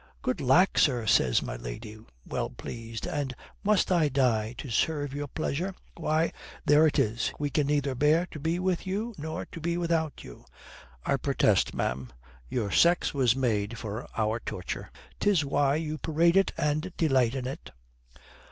"Good lack, sir," says my lady, well pleased, "and must I die to serve your pleasure?" "Why, there it is. We can neither bear to be with you nor to be without you. I protest, ma'am, your sex was made for our torture. 'Tis why you parade it and delight in it."